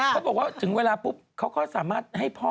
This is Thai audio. เขาบอกว่าถึงเวลาปุ๊บเขาก็สามารถให้พ่อ